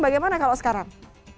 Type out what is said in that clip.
bagaimana kalau sekarang